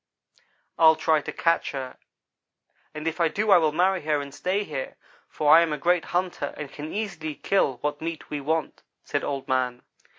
"'I'll try to catch her, and if I do I will marry her and stay here, for I am a great hunter and can easily kill what meat we want,' said Old man.